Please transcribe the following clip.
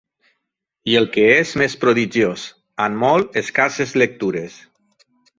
I el que és més prodigiós, amb molt escasses lectures